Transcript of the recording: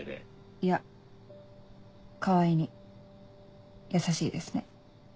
いや川合に優しいですね。